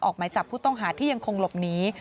หมายจับผู้ต้องหาที่ยังคงหลบหนี